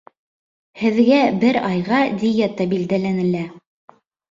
Һеҙгә бер айға диета билдәләнелә